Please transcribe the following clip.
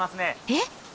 えっ。